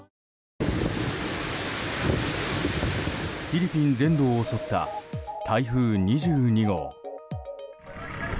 フィリピン全土を襲った台風２２号。